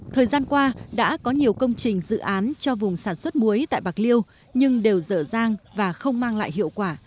thời gian qua đã có nhiều công trình dự án cho vùng sản xuất muối tại bạc liêu nhưng đều dở dang và không mang lại hiệu quả